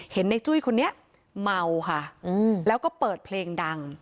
เห็นในจุ้ยคนนี้เมาค่ะแล้วก็เปิดเพลงดัง